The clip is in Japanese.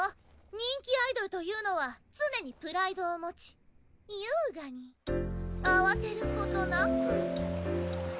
人気アイドルというのは常にプライドを持ち優雅に慌てる事なく。